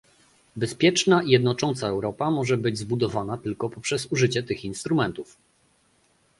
Bezpieczna i jednocząca Europa może być zbudowana tylko poprzez użycie tych instrumentów